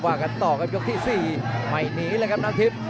กันต่อครับยกที่๔ไม่หนีเลยครับนาทิพย์